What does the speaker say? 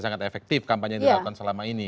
sangat efektif kampanye yang dilakukan selama ini